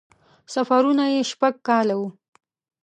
سفرونه یې شپږ کاله وو.